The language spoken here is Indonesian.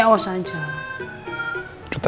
ketemu sama perempuan lainnya